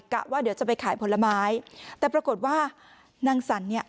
ว่าเดี๋ยวจะไปขายผลไม้แต่ปรากฏว่านางสรรเนี่ย